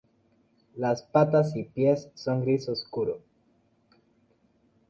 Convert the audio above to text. Las patas y pies son gris oscuro.